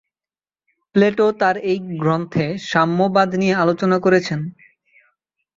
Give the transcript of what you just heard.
Plato তার এই গ্রন্থে সাম্যবাদ নিয়ে আলোচনা করেছেন।